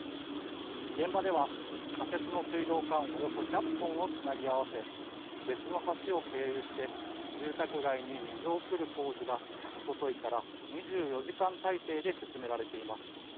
現場では、仮設の水道管およそ１００本をつなぎ合わせ、別の橋を経由して、住宅街に水を送る工事が、おとといから２４時間態勢で進められています。